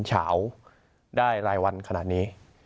เฉาได้รายวันขนาดนี้